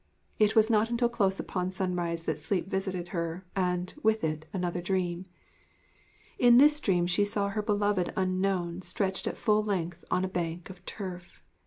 It was not until close upon sunrise that sleep visited her and, with it, another dream. In this dream she saw her beloved Unknown stretched at full length on a bank of turf.